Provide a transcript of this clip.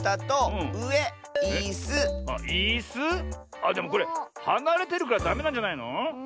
あっでもこれはなれてるからダメなんじゃないの？